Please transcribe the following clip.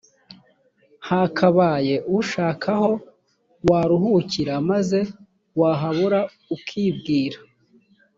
hakakaye ushaka aho waruhukira maze wahabura ukibwira